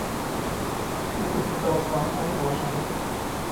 Původně byla zvána jen Lažany.